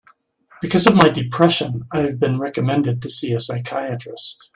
Because of my depression, I have been recommended to see a psychiatrist.